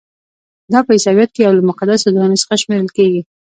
دا په عیسویت کې یو له مقدسو ځایونو څخه شمیرل کیږي.